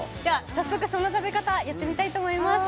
早速その食べ方、やってみたいと思います。